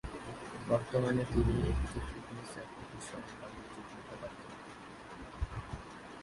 বর্তমানে তিনি একটি ফিটনেস অ্যাপ্লিকেশনের বাণিজ্যিক মুখপাত্র।